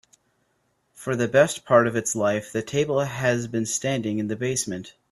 For the best part of its life, the table has been standing in the basement.